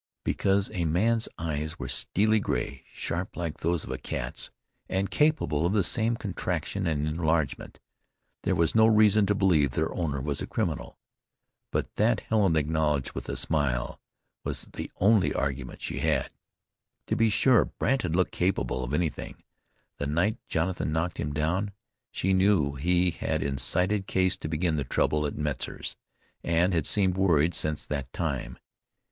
Because a man's eyes were steely gray, sharp like those of a cat's, and capable of the same contraction and enlargement, there was no reason to believe their owner was a criminal. But that, Helen acknowledged with a smile, was the only argument she had. To be sure Brandt had looked capable of anything, the night Jonathan knocked him down; she knew he had incited Case to begin the trouble at Metzar's, and had seemed worried since that time.